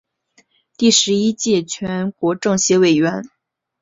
第十一届全国政协委员。